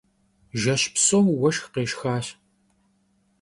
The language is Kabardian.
Jjeş psom vueşşx khêşşxaş.